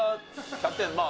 キャプテンま